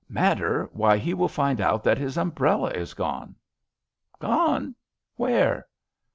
"" Matter ! Why he will find out that his umbrella is gone." "Gone! Where?"